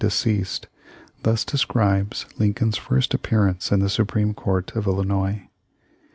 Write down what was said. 323 describes Lincoln's first appearance in the Supreme Court of Illinois.